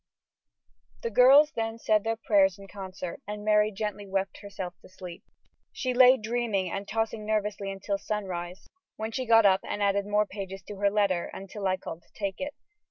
The girls then said their prayers in concert and Mary gently wept herself to sleep. She lay dreaming and tossing nervously until sunrise, when she got up and added more pages to her letter, until I called to take it.